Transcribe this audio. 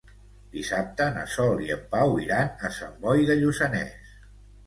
Dissabte na Sol i en Pau iran a Sant Boi de Lluçanès.